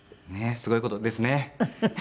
すごい事ですね。